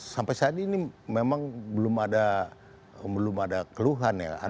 sampai saat ini memang belum ada keluhan ya